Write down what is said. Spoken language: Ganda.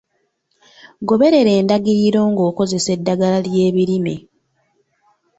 Goberera endagiriro ng'okozesa eddagala ly'ebirime.